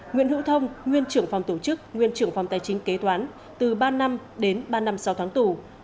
nguyễn hữu thông nguyên trưởng phòng tổ chức nguyên trưởng phòng tài chính kế toán từ ba năm đến ba năm sau tháng tù